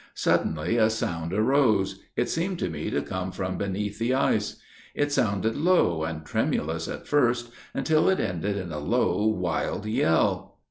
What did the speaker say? Suddenly a sound arose it seemed to me to come from beneath the ice; it sounded low and tremulous at first, until it ended in a low, wild yell.